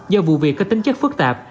do vụ việc có tính chất phức tạp